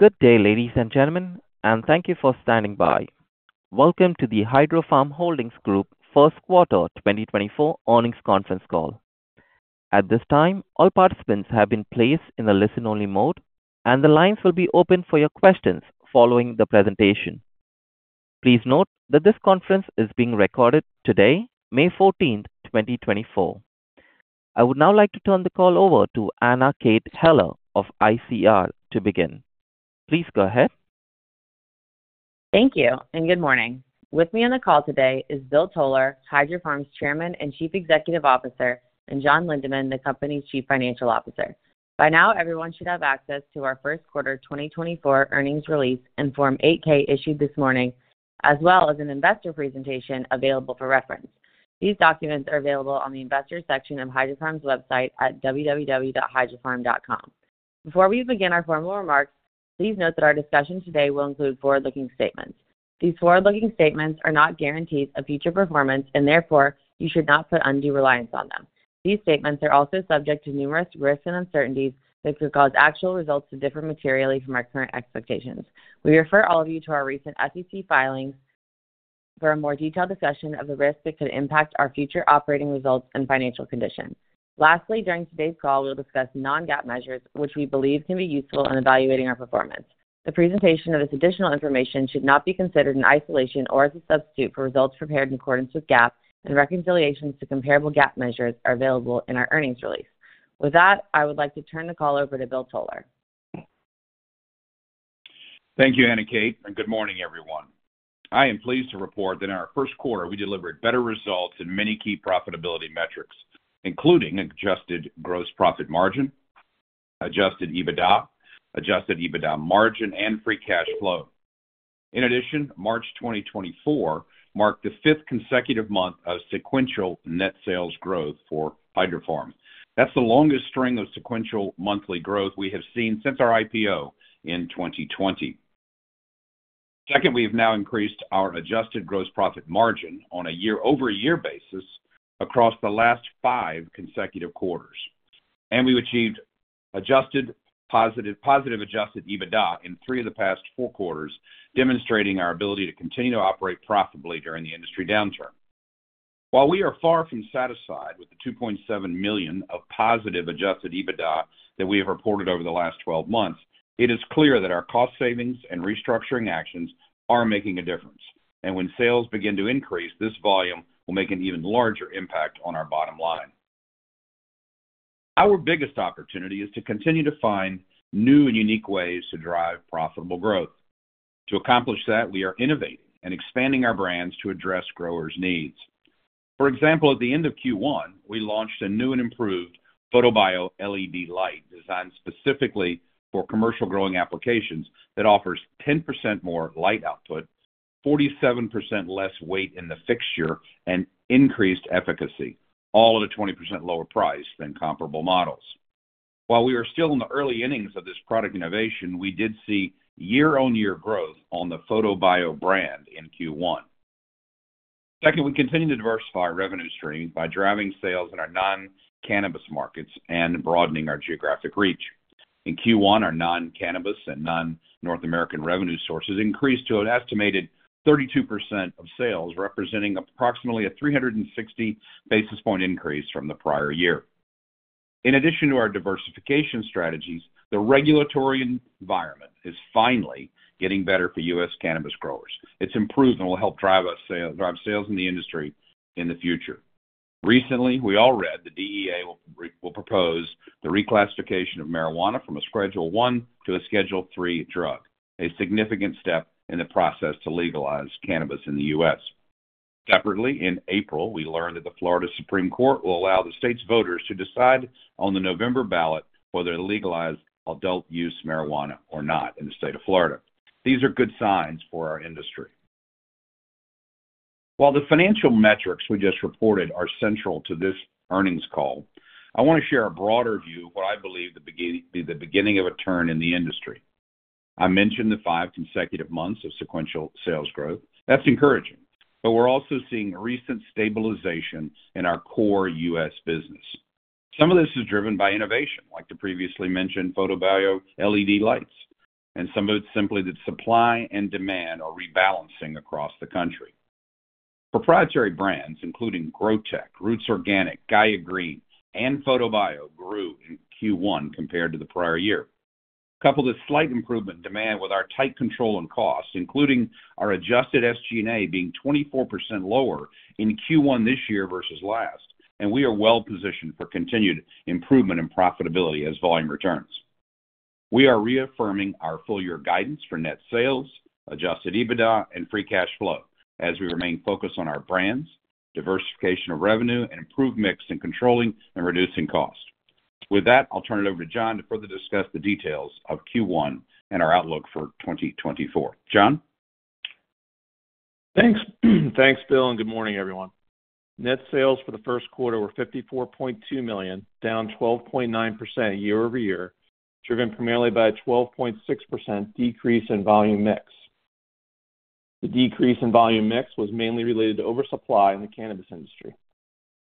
Good day, ladies and gentlemen, and thank you for standing by. Welcome to the Hydrofarm Holdings Group First Quarter 2024 Earnings Conference Call. At this time, all participants have been placed in a listen-only mode, and the lines will be open for your questions following the presentation. Please note that this conference is being recorded today, May 14th, 2024. I would now like to turn the call over to Anna Kate Heller of ICR to begin. Please go ahead. Thank you, and good morning. With me on the call today is Bill Toler, Hydrofarm's Chairman and Chief Executive Officer, and John Lindeman, the company's Chief Financial Officer. By now, everyone should have access to our first quarter 2024 earnings release and Form 8-K issued this morning, as well as an investor presentation available for reference. These documents are available on the Investors section of Hydrofarm's website at www.hydrofarm.com. Before we begin our formal remarks, please note that our discussion today will include forward-looking statements. These forward-looking statements are not guarantees of future performance, and therefore you should not put undue reliance on them. These statements are also subject to numerous risks and uncertainties that could cause actual results to differ materially from our current expectations. We refer all of you to our recent SEC filings for a more detailed discussion of the risks that could impact our future operating results and financial condition. Lastly, during today's call, we'll discuss non-GAAP measures, which we believe can be useful in evaluating our performance. The presentation of this additional information should not be considered in isolation or as a substitute for results prepared in accordance with GAAP, and reconciliations to comparable GAAP measures are available in our earnings release. With that, I would like to turn the call over to Bill Toler. Thank you, Anna Kate, and good morning, everyone. I am pleased to report that in our first quarter, we delivered better results in many key profitability metrics, including Adjusted Gross Profit margin, Adjusted EBITDA, Adjusted EBITDA margin, and free cash flow. In addition, March 2024 marked the fifth consecutive month of sequential net sales growth for Hydrofarm. That's the longest string of sequential monthly growth we have seen since our IPO in 2020. Second, we have now increased our Adjusted Gross Profit margin on a YoY basis across the last five consecutive quarters, and we've achieved positive Adjusted EBITDA in three of the past four quarters, demonstrating our ability to continue to operate profitably during the industry downturn. While we are far from satisfied with the $2.7 million of positive Adjusted EBITDA that we have reported over the last 12 months, it is clear that our cost savings and restructuring actions are making a difference. When sales begin to increase, this volume will make an even larger impact on our bottom line. Our biggest opportunity is to continue to find new and unique ways to drive profitable growth. To accomplish that, we are innovating and expanding our brands to address growers' needs. For example, at the end of Q1, we launched a new and improved PHOTOBIO LED light, designed specifically for commercial growing applications, that offers 10% more light output, 47% less weight in the fixture, and increased efficacy, all at a 20% lower price than comparable models. While we are still in the early innings of this product innovation, we did see YoY growth on the PHOTOBIO brand in Q1. Second, we continue to diversify our revenue stream by driving sales in our non-cannabis markets and broadening our geographic reach. In Q1, our non-cannabis and non-North American revenue sources increased to an estimated 32% of sales, representing approximately a 360 basis point increase from the prior year. In addition to our diversification strategies, the regulatory environment is finally getting better for U.S. cannabis growers. It's improved and will help drive sales in the industry in the future. Recently, we all read the DEA will propose the reclassification of marijuana from a Schedule I to a Schedule III drug, a significant step in the process to legalize cannabis in the U.S. Separately, in April, we learned that the Florida Supreme Court will allow the state's voters to decide on the November ballot whether to legalize adult-use marijuana or not in the state of Florida. These are good signs for our industry. While the financial metrics we just reported are central to this earnings call, I want to share a broader view of what I believe to be the beginning of a turn in the industry. I mentioned the five consecutive months of sequential sales growth. That's encouraging, but we're also seeing recent stabilization in our core U.S. business. Some of this is driven by innovation, like the previously mentioned PHOTOBIO LED lights, and some of it's simply that supply and demand are rebalancing across the country. Proprietary brands, including Grotek, Roots Organics, Gaia Green, and PHOTOBIO, grew in Q1 compared to the prior year. Coupled with slight improvement in demand with our tight control and costs, including our Adjusted SG&A being 24% lower in Q1 this year versus last, and we are well positioned for continued improvement in profitability as volume returns. We are reaffirming our full year guidance for net sales, Adjusted EBITDA, and free cash flow as we remain focused on our brands, diversification of revenue, and improved mix in controlling and reducing costs. With that, I'll turn it over to John to further discuss the details of Q1 and our outlook for 2024. John? Thanks. Thanks, Bill, and good morning, everyone. Net Sales for the first quarter were $54.2 million, down 12.9% YoY, driven primarily by a 12.6% decrease in volume mix. ...The decrease in volume mix was mainly related to oversupply in the cannabis industry.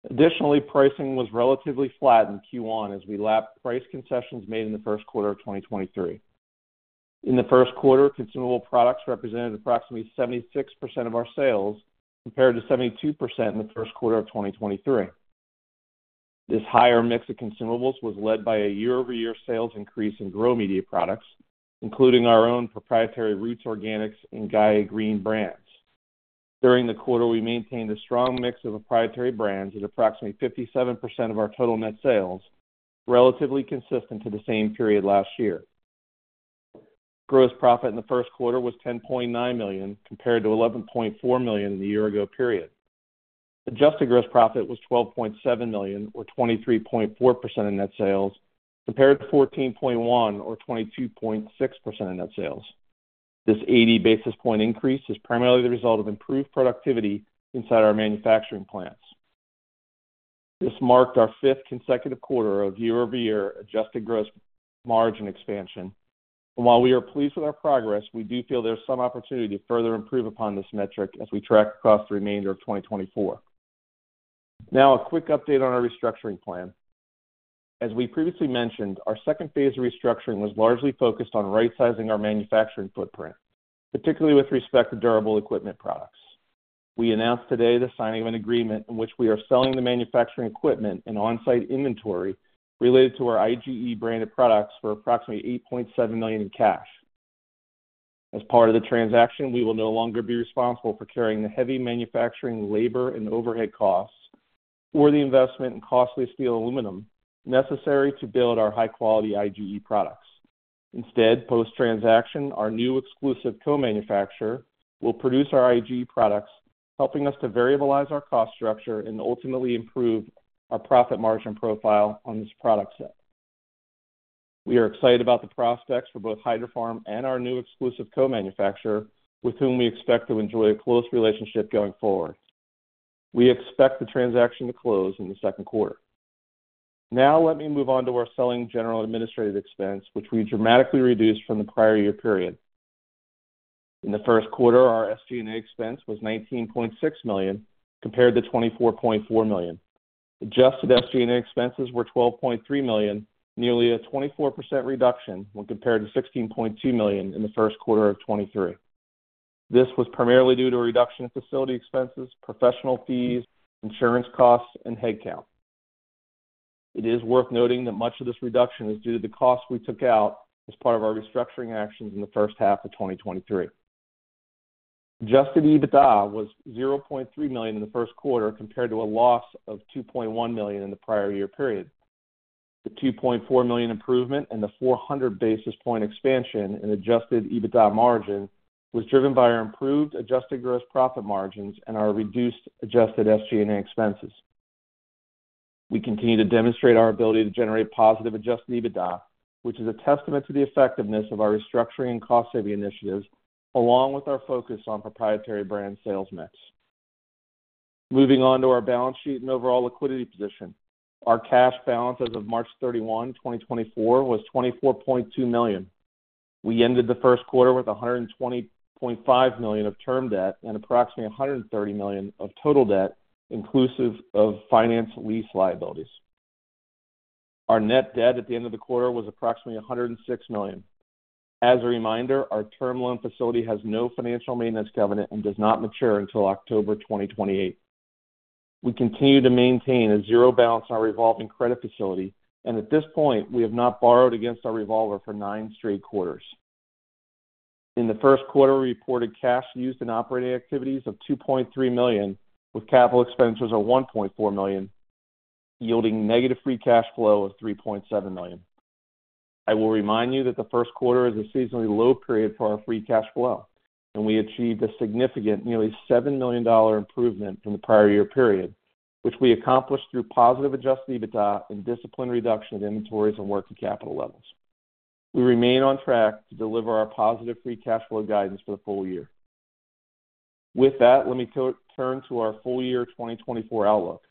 Additionally, pricing was relatively flat in Q1 as we lapped price concessions made in the first quarter of 2023. In the first quarter, consumable products represented approximately 76% of our sales, compared to 72% in the first quarter of 2023. This higher mix of consumables was led by a YoY sales increase in grow media products, including our own proprietary Roots Organics and Gaia Green brands. During the quarter, we maintained a strong mix of proprietary brands at approximately 57% of our total net sales, relatively consistent to the same period last year. Gross Profit in the first quarter was $10.9 million, compared to $11.4 million in the year ago period. Adjusted Gross Profit was $12.7 million, or 23.4% of net sales, compared to $14.1 million, or 22.6% of net sales. This 80 basis point increase is primarily the result of improved productivity inside our manufacturing plants. This marked our fifth consecutive quarter of YoY adjusted gross margin expansion. And while we are pleased with our progress, we do feel there's some opportunity to further improve upon this metric as we track across the remainder of 2024. Now, a quick update on our restructuring plan. As we previously mentioned, our second phase of restructuring was largely focused on rightsizing our manufacturing footprint, particularly with respect to durable equipment products. We announced today the signing of an agreement in which we are selling the manufacturing equipment and on-site inventory related to our IGE branded products for approximately $8.7 million in cash. As part of the transaction, we will no longer be responsible for carrying the heavy manufacturing labor and overhead costs, or the investment in costly steel aluminum necessary to build our high-quality IGE products. Instead, post-transaction, our new exclusive co-manufacturer will produce our IGE products, helping us to variabilize our cost structure and ultimately improve our profit margin profile on this product set. We are excited about the prospects for both Hydrofarm and our new exclusive co-manufacturer, with whom we expect to enjoy a close relationship going forward. We expect the transaction to close in the second quarter. Now let me move on to our Selling, General, and Administrative expense, which we dramatically reduced from the prior year period. In the first quarter, our SG&A expense was $19.6 million, compared to $24.4 million. Adjusted SG&A expenses were $12.3 million, nearly a 24% reduction when compared to $16.2 million in the first quarter of 2023. This was primarily due to a reduction in facility expenses, professional fees, insurance costs, and headcount. It is worth noting that much of this reduction is due to the costs we took out as part of our restructuring actions in the first half of 2023. Adjusted EBITDA was $0.3 million in the first quarter, compared to a loss of $2.1 million in the prior year period. The $2.4 million improvement and the 400 basis point expansion in Adjusted EBITDA margin was driven by our improved Adjusted Gross Profit margins and our reduced Adjusted SG&A expenses. We continue to demonstrate our ability to generate positive Adjusted EBITDA, which is a testament to the effectiveness of our restructuring and cost-saving initiatives, along with our focus on proprietary brand sales mix. Moving on to our balance sheet and overall liquidity position. Our cash balance as of March 31st, 2024, was $24.2 million. We ended the first quarter with $120.5 million of term debt and approximately $130 million of total debt, inclusive of finance lease liabilities. Our net debt at the end of the quarter was approximately $106 million. As a reminder, our term loan facility has no financial maintenance covenant and does not mature until October 2028. We continue to maintain a zero balance on our revolving credit facility, and at this point, we have not borrowed against our revolver for 9 straight quarters. In the first quarter, we reported cash used in operating activities of $2.3 million, with capital expenditures of $1.4 million, yielding negative free cash flow of $3.7 million. I will remind you that the first quarter is a seasonally low period for our free cash flow, and we achieved a significant nearly $7 million improvement from the prior year period, which we accomplished through positive Adjusted EBITDA and disciplined reduction of inventories and working capital levels. We remain on track to deliver our positive free cash flow guidance for the full year. With that, let me turn to our full year 2024 outlook.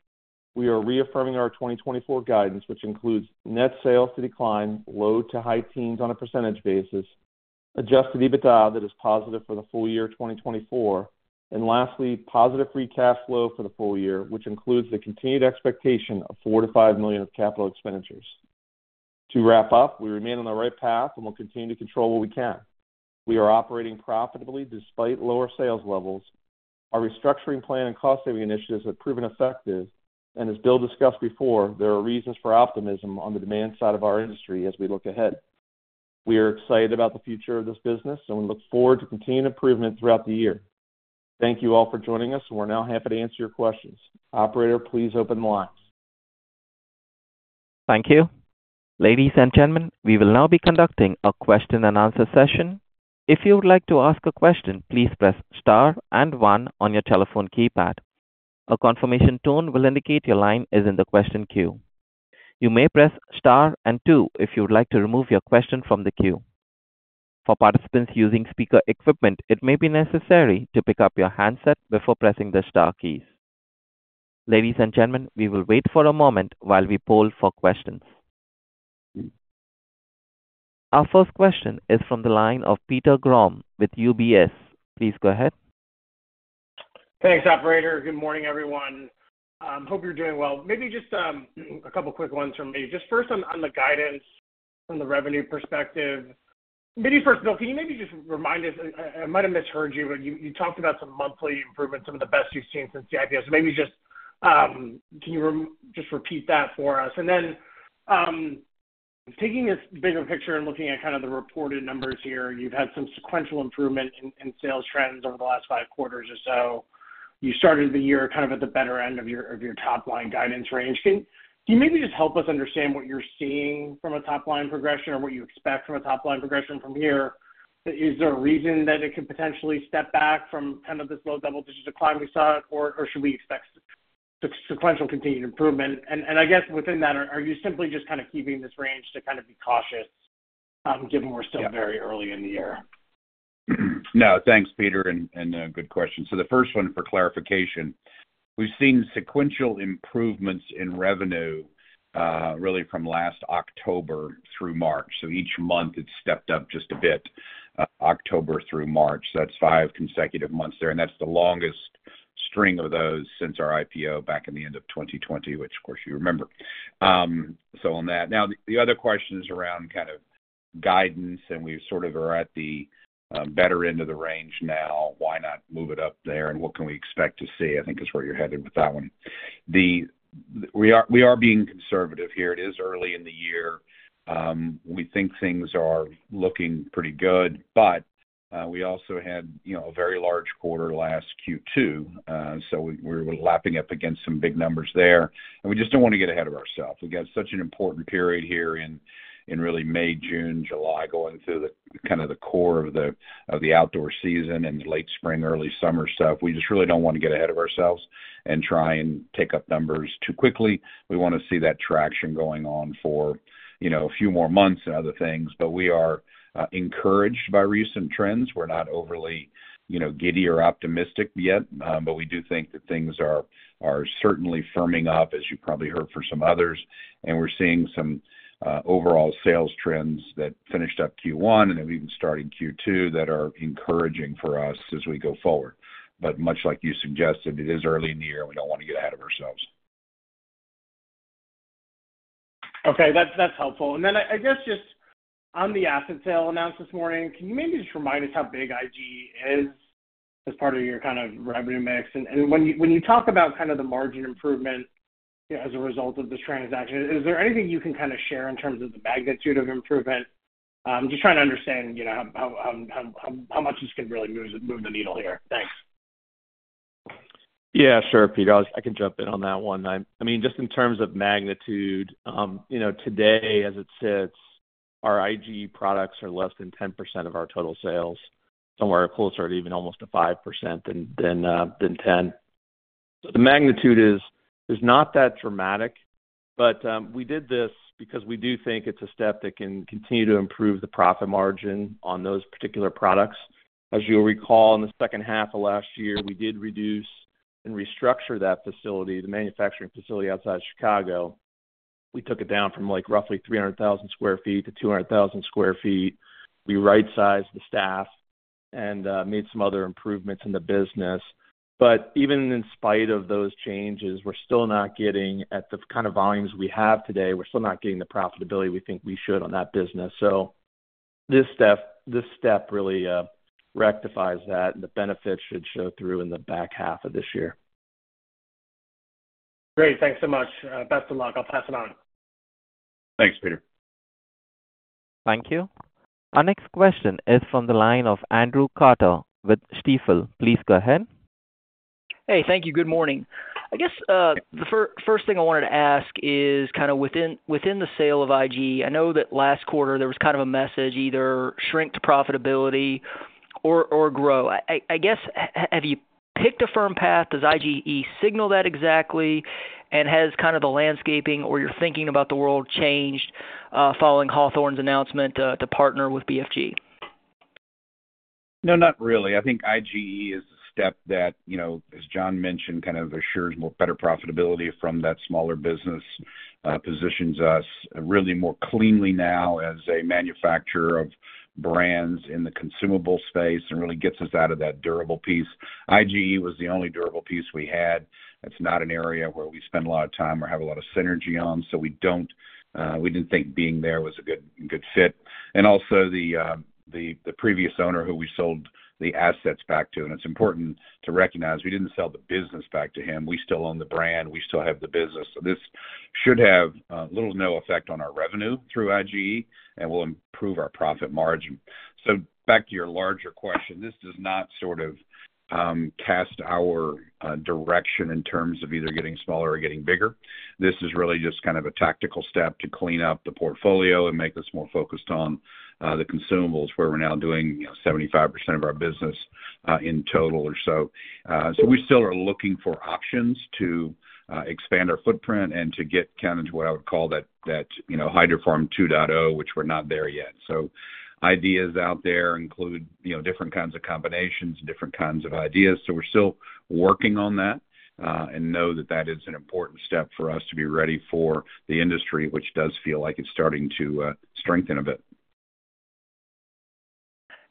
We are reaffirming our 2024 guidance, which includes net sales to decline low- to high-teens percentage, Adjusted EBITDA that is positive for the full year 2024, and lastly, positive Free Cash Flow for the full year, which includes the continued expectation of $4 million-$5 million of capital expenditures. To wrap up, we remain on the right path and will continue to control what we can. We are operating profitably despite lower sales levels. Our restructuring plan and cost-saving initiatives have proven effective, and as Bill discussed before, there are reasons for optimism on the demand side of our industry as we look ahead. We are excited about the future of this business, and we look forward to continued improvement throughout the year. Thank you all for joining us, and we're now happy to answer your questions. Operator, please open the lines. Thank you. Ladies and gentlemen, we will now be conducting a question and answer session. If you would like to ask a question, please press star and one on your telephone keypad. A confirmation tone will indicate your line is in the question queue. You may press star and two if you would like to remove your question from the queue. For participants using speaker equipment, it may be necessary to pick up your handset before pressing the star keys. Ladies and gentlemen, we will wait for a moment while we poll for questions.... Our first question is from the line of Peter Grom with UBS. Please go ahead. Thanks, operator. Good morning, everyone. Hope you're doing well. Maybe just a couple quick ones from me. Just first on the guidance from the revenue perspective. Maybe first, Bill, can you maybe just remind us? I might have misheard you, but you talked about some monthly improvements, some of the best you've seen since the IPO. So maybe just can you repeat that for us? And then, taking a bigger picture and looking at kind of the reported numbers here, you've had some sequential improvement in sales trends over the last five quarters or so. You started the year kind of at the better end of your top line guidance range. Can you maybe just help us understand what you're seeing from a top line progression or what you expect from a top line progression from here? Is there a reason that it could potentially step back from kind of this low double-digit decline we saw, or should we expect sequential continued improvement? And I guess within that, are you simply just kind of keeping this range to kind of be cautious, given we're still very early in the year? No, thanks, Peter, good question. So the first one for clarification, we've seen sequential improvements in revenue, really from last October through March. So each month it's stepped up just a bit, October through March. That's five consecutive months there, and that's the longest string of those since our IPO back in the end of 2020, which of course you remember. So on that. Now, the other question is around kind of guidance, and we sort of are at the better end of the range now. Why not move it up there, and what can we expect to see, I think is where you're headed with that one. We are being conservative here. It is early in the year. We think things are looking pretty good, but we also had, you know, a very large quarter last Q2, so we, we're lapping up against some big numbers there, and we just don't want to get ahead of ourselves. We've got such an important period here in, in really May, June, July, going through the, kind of the core of the, of the outdoor season and the late spring, early summer stuff. We just really don't want to get ahead of ourselves and try and take up numbers too quickly. We want to see that traction going on for, you know, a few more months and other things, but we are encouraged by recent trends. We're not overly, you know, giddy or optimistic yet, but we do think that things are, are certainly firming up, as you probably heard from some others. And we're seeing some overall sales trends that finished up Q1 and have even started Q2 that are encouraging for us as we go forward. But much like you suggested, it is early in the year, and we don't want to get ahead of ourselves. Okay, that's helpful. And then I guess, just on the asset sale announced this morning, can you maybe just remind us how big IGE is as part of your kind of revenue mix? And when you talk about kind of the margin improvement, as a result of this transaction, is there anything you can kind of share in terms of the magnitude of improvement? Just trying to understand, you know, how much this could really move the needle here. Thanks. Yeah, sure, Peter. I can jump in on that one. I mean, just in terms of magnitude, you know, today, as it sits, our IGE products are less than 10% of our total sales. Somewhere closer to even almost a 5% than 10. So the magnitude is not that dramatic, but we did this because we do think it's a step that can continue to improve the profit margin on those particular products. As you'll recall, in the second half of last year, we did reduce and restructure that facility, the manufacturing facility outside Chicago. We took it down from, like, roughly 300,000 sq ft-200,000 sq ft. We right-sized the staff and made some other improvements in the business. But even in spite of those changes, we're still not getting at the kind of volumes we have today. We're still not getting the profitability we think we should on that business. So this step, this step really, rectifies that, and the benefits should show through in the back half of this year. Great. Thanks so much. Best of luck. I'll pass it on. Thanks, Peter. Thank you. Our next question is from the line of Andrew Carter with Stifel. Please go ahead. Hey, thank you. Good morning. I guess, the first thing I wanted to ask is, kind of within the sale of IGE, I know that last quarter there was kind of a message, either shrink to profitability or grow. I guess, have you picked a firm path? Does IGE signal that exactly? And has kind of the landscaping or your thinking about the world changed, following Hawthorne's announcement to partner with BFG? No, not really. I think IGE is a step that, you know, as John mentioned, kind of assures more better profitability from that smaller business, positions us really more cleanly now as a manufacturer of brands in the consumable space and really gets us out of that durable piece. IGE was the only durable piece we had. It's not an area where we spend a lot of time or have a lot of synergy on, so we don't, we didn't think being there was a good, good fit. And also the, the, the previous owner who we sold the assets back to, and it's important to recognize we didn't sell the business back to him. We still own the brand. We still have the business. So this should have, little to no effect on our revenue through IGE and will improve our profit margin. So back to your larger question, this does not sort of cast our direction in terms of either getting smaller or getting bigger. This is really just kind of a tactical step to clean up the portfolio and make us more focused on the consumables, where we're now doing you know, 75% of our business in total or so. So we still are looking for options to expand our footprint and to get kind of into what I would call that, that, you know, Hydrofarm 2.0, which we're not there yet. Ideas out there include, you know, different kinds of combinations, different kinds of ideas. So we're still working on that and know that that is an important step for us to be ready for the industry, which does feel like it's starting to strengthen a bit.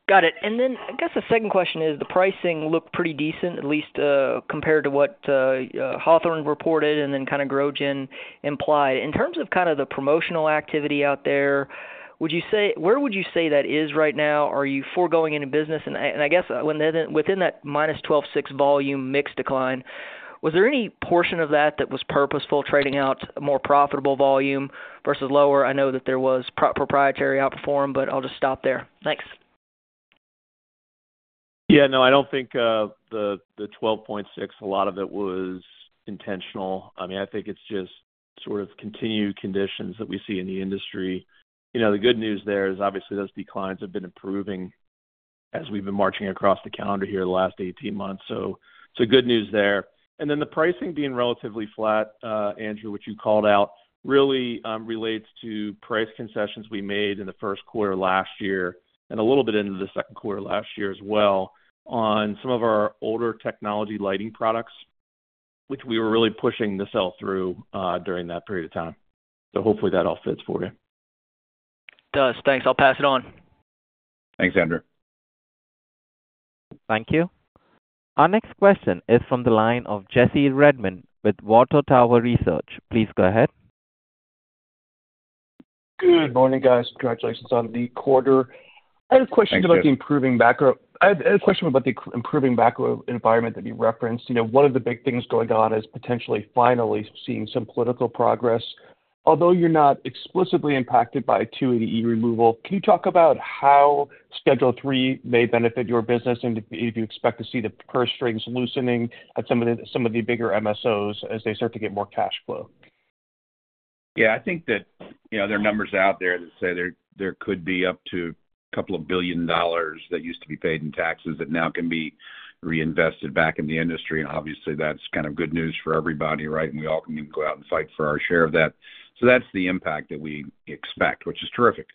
Got it. And then I guess the second question is, the pricing looked pretty decent, at least, compared to what Hawthorne reported and then kind of Grotek implied. In terms of kind of the promotional activity out there, would you say, where would you say that is right now? Are you foregoing any business? And I guess, within that -12.6 volume mix decline, was there any portion of that that was purposeful, trading out more profitable volume versus lower? I know that there was proprietary outperform, but I'll just stop there. Thanks. Yeah, no, I don't think the twelve point six, a lot of it was intentional. I mean, I think it's just sort of continued conditions that we see in the industry. You know, the good news there is, obviously, those declines have been improving as we've been marching across the calendar here the last 18 months, so it's good news there. And then the pricing being relatively flat, Andrew, which you called out, really relates to price concessions we made in the first quarter last year and a little bit into the second quarter last year as well, on some of our older technology lighting products, which we were really pushing the sell-through during that period of time. So hopefully that all fits for you. It does. Thanks. I'll pass it on. Thanks, Andrew. Thank you. Our next question is from the line of Jesse Redmond with Water Tower Research. Please go ahead. Good morning, guys. Congratulations on the quarter. Thanks, Jesse. I had a question about the improving macro environment that you referenced. You know, one of the big things going on is potentially finally seeing some political progress. Although you're not explicitly impacted by 280E removal, can you talk about how Schedule III may benefit your business, and if you expect to see the purse strings loosening at some of the bigger MSOs as they start to get more cash flow? Yeah, I think that, you know, there are numbers out there that say there could be up to $2 billion that used to be paid in taxes that now can be reinvested back in the industry. And obviously, that's kind of good news for everybody, right? And we all can go out and fight for our share of that. So that's the impact that we expect, which is terrific.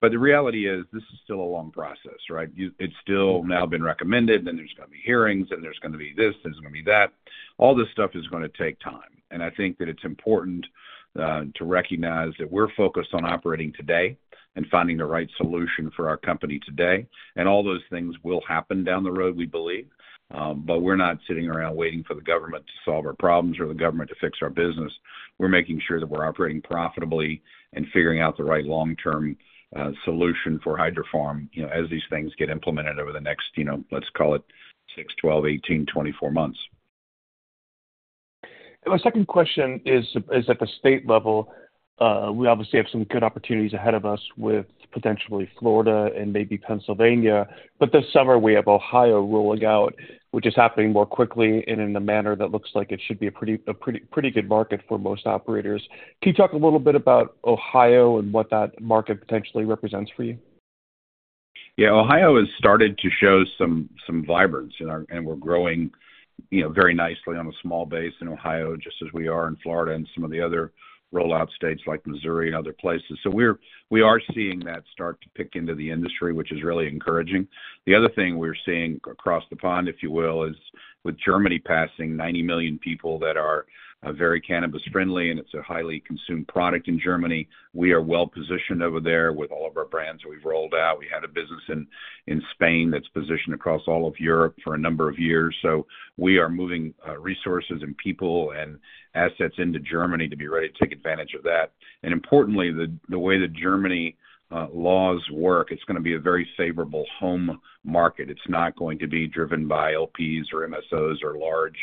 But the reality is, this is still a long process, right? It's still now been recommended, then there's going to be hearings, then there's going to be this, there's going to be that. All this stuff is gonna take time. And I think that it's important to recognize that we're focused on operating today and finding the right solution for our company today. All those things will happen down the road, we believe, but we're not sitting around waiting for the government to solve our problems or the government to fix our business. We're making sure that we're operating profitably and figuring out the right long-term solution for Hydrofarm, you know, as these things get implemented over the next, you know, let's call it, 6, 12, 18, 24 months. My second question is at the state level, we obviously have some good opportunities ahead of us with potentially Florida and maybe Pennsylvania, but this summer we have Ohio rolling out, which is happening more quickly and in a manner that looks like it should be a pretty good market for most operators. Can you talk a little bit about Ohio and what that market potentially represents for you? Yeah, Ohio has started to show some vibrancy in our, and we're growing, you know, very nicely on a small base in Ohio, just as we are in Florida and some of the other rollout states like Missouri and other places. So we are seeing that start to pick up in the industry, which is really encouraging. The other thing we're seeing across the pond, if you will, is with Germany passing 90 million people that are very cannabis friendly, and it's a highly consumed product in Germany, we are well positioned over there with all of our brands that we've rolled out. We had a business in Spain that's positioned across all of Europe for a number of years. So we are moving resources and people and assets into Germany to be ready to take advantage of that. Importantly, the way the Germany laws work, it's gonna be a very favorable home market. It's not going to be driven by LPs or MSOs or large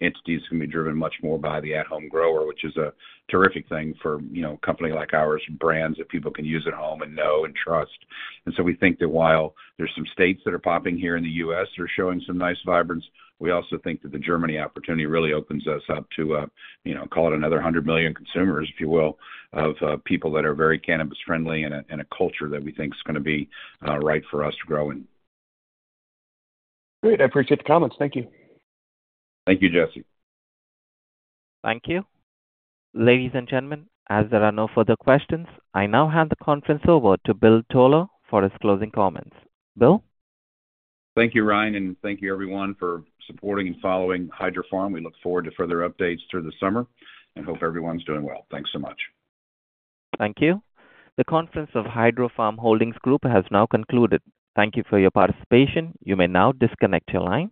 entities. It's going to be driven much more by the at-home grower, which is a terrific thing for, you know, a company like ours, brands that people can use at home and know and trust. And so we think that while there's some states that are popping here in the U.S. that are showing some nice vibrancy, we also think that the Germany opportunity really opens us up to, you know, call it another 100 million consumers, if you will, of people that are very cannabis friendly and a culture that we think is gonna be right for us to grow in. Great. I appreciate the comments. Thank you. Thank you, Jesse. Thank you. Ladies and gentlemen, as there are no further questions, I now hand the conference over to Bill Toler for his closing comments. Bill? Thank you, Ryan, and thank you everyone for supporting and following Hydrofarm. We look forward to further updates through the summer, and hope everyone's doing well. Thanks so much. Thank you. The conference of Hydrofarm Holdings Group has now concluded. Thank you for your participation. You may now disconnect your line.